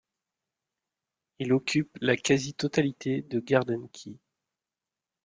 Il occupe la quasi-totalité de Garden Key.